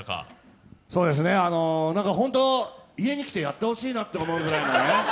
家に来てやってほしいなって思うぐらいのね。